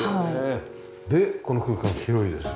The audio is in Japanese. でこの空間広いです。